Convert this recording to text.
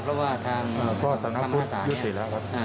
เพราะว่าทางธรรมศาสตร์เนี่ย